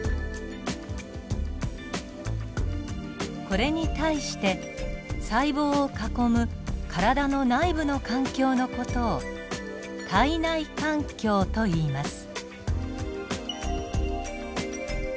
これに対して細胞を囲む体の内部の環境の事を体内環境といいます。